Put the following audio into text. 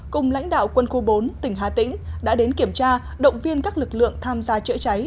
cùng lãnh đạo quân khu bốn tỉnh hà tĩnh đã đến kiểm tra động viên các lực lượng tham gia chữa cháy